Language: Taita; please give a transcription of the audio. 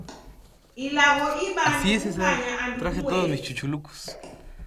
Ilagho ibaa ni kukanya andu kumweri.